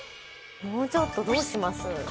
もうちょっとどうします？